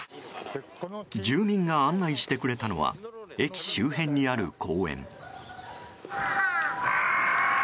住民が案内してくれたのは駅周辺にある公園。